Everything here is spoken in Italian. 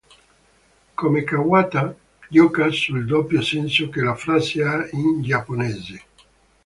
Come Kawabata, gioca sul doppio senso che la frase ha in giapponese.